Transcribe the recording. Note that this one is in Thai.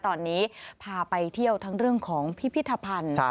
ตอนนี้พาไปเที่ยวทั้งเรื่องของพิพิธภัณฑ์